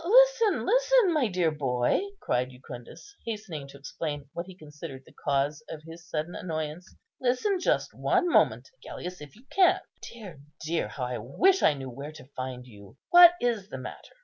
"Listen, listen, my dear boy!" cried Jucundus, hastening to explain what he considered the cause of his sudden annoyance; "listen, just one moment, Agellius, if you can. Dear, dear, how I wish I knew where to find you! What is the matter?